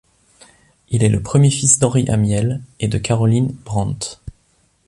Il est le premier fils d'Henri Amiel et de Caroline Brandt.